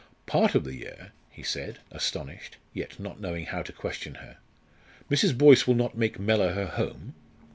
"Part of the year?" he said, astonished, yet not knowing how to question her. "Mrs. Boyce will not make Mellor her home?"